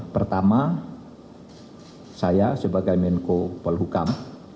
pertama saya sebagai menko polhukam